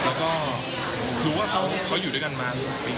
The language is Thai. แล้วก็รู้ว่าเขาอยู่ด้วยกันมา